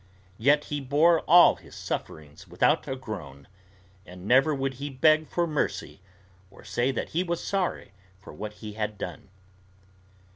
Yet he bore all his sufferings without a groan, and never would he beg for mercy or say that he was sorry for what he had done.